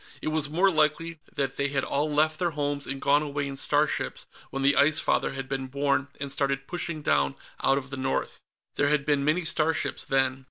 It was more likely that they had all left their homes and gone away in starships when the Ice Father had been born and started pushing down out of the north. There had been many starships, then.